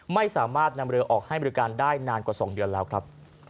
ไม่สามารถนำเรือออกให้บริการได้นานกว่า๒เดือนแล้วครับ